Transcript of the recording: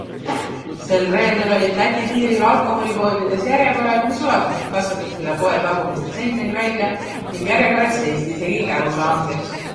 Sel reedel olid Läti piiril alkoholipoodides järjekorrad, mis ulatusid kassadest üle poe tagumiste seinteni välja ning järjekorras seisti isegi käru saamiseks.